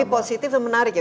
tapi positif itu menarik ya